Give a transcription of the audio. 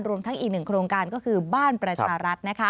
รวมทั้งอีกหนึ่งโครงการก็คือบ้านประชารัฐ